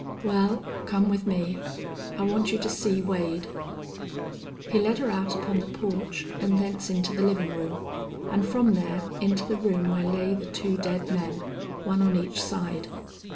"Wal, come with me. I want you to see Wade." He led her out upon the porch, and thence into the living room, and from there into the room where lay the two dead men, one on each side.